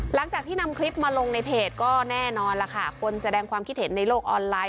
หลังจากที่นำคลิปมาลงในเพจก็แน่นอนล่ะค่ะคนแสดงความคิดเห็นในโลกออนไลน์